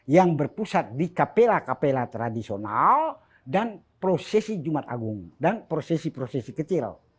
yang berpusat di kapela kapela tradisional dan prosesi jumat agung dan prosesi prosesi kecil